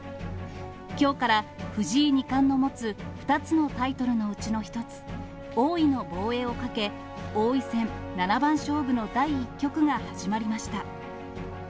きょうから藤井二冠の持つ２つのタイトルのうちの１つ、王位の防衛をかけ、王位戦七番勝負の第１局が始まりました。